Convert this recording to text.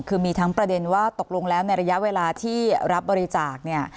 คือมีทั้งประเด็นว่าตกลงแล้วในระยะเวลาที่รับบริจาคเนี่ย